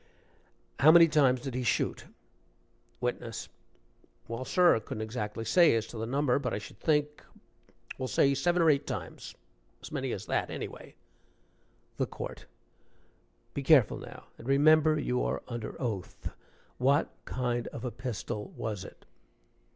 "How many times did he shoot?" WITNESS. "Well, sir, I couldn't say exactly as to the number but I should think well, say seven or eight times as many as that, anyway." THE COURT. "Be careful now, and remember you are under oath. What kind of a pistol was it?"